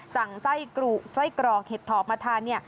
สั่งไส้กรอกเห็ดถอบมาทาน